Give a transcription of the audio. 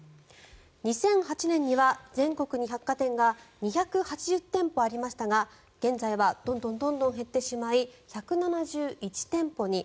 ２００８年には全国に百貨店が２８０店舗ありましたが現在はどんどん減ってしまい１７１店舗に。